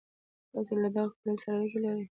تاسي له دغه کورنۍ سره اړیکي لرئ.